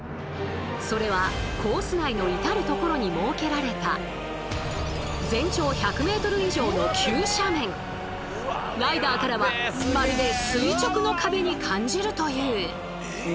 それはコース内の至る所に設けられたライダーからはまるで垂直の壁に感じるという。